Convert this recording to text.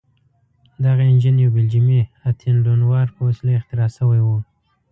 دغه انجن یو بلجیمي اتین لونوار په وسیله اختراع شوی و.